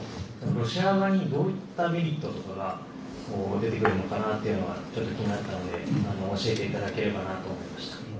ロシア側にどういったメリットとかが出てくるのかなっていうのがちょっと気になったので教えていただければなと思いました。